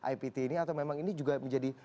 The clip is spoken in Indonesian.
ipt ini atau memang ini juga menjadi